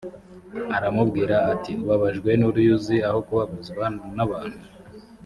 aramubwira ati ubabajwe n uruyuzi aho kubabazwa n abantu